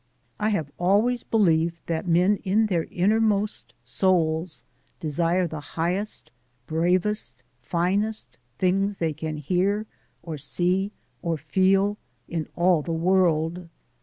I have always believed that men in their innermost souls desire the highest, bravest, finest things they can hear, or see, or feel in all the world.